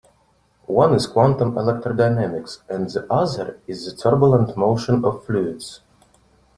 One is quantum electrodynamics, and the other is the turbulent motion of fluids.